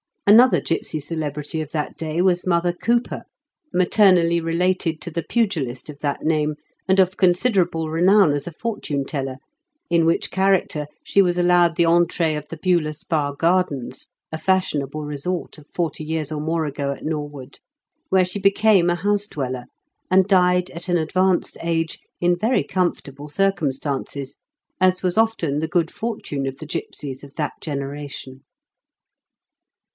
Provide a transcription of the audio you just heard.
Another gipsy celebrity of that day was Mother Cooper, maternally related to the pugilist of that name, and of considerable renown as a fortune teller, in which character she was allowed the entree of the Beulah Spa Gardens, a fashionable resort of forty years or more ago at Norwood, where she became a " house dweller," and died at an advanced age, in very comfortable cir cumstances, as was often the good fortune of the gipsies of that generation.